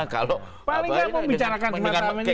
paling nggak mau bicarakan cuma sama ini ya